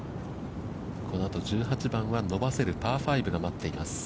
この後、１８番は伸ばせるパー５が待っています。